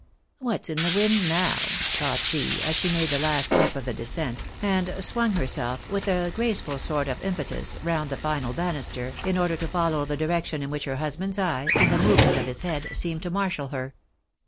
" What's in the wind now?" thought she, as she made the last step of the descent, and swung herself with a graceful sort of im petus round the final banister, in order to follow the direction in which her husband's eye, and the movement of his head, seemed to marshal her.